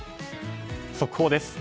速報です。